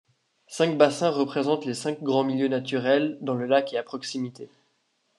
Cinq bassins représentent les cinq grands milieux naturels, dans le lac et à proximité.